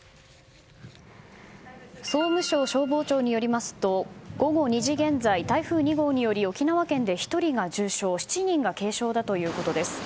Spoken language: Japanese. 総務省消防庁によりますと午後２時現在台風２号により沖縄県で１人が重傷７人が軽傷だということです。